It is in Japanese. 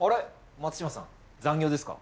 松島さん残業ですか？